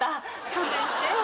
勘弁してよ。